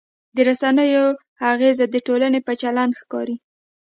د رسنیو اغېز د ټولنې په چلند ښکاري.